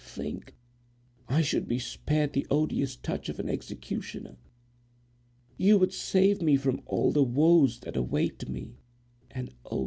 Think! I should be spared the odious touch of an executioner. You would save me from all the woes that await me—and, oh!